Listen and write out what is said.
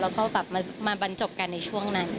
แล้วก็แบบมาบรรจบกันในช่วงนั้น